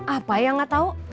apa yang nggak tahu